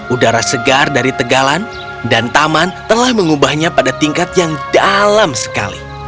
udara segar dari tegalan dan taman telah mengubahnya pada tingkat yang dalam sekali